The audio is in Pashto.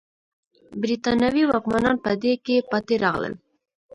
برېټانوي واکمنان په دې کې پاتې راغلل.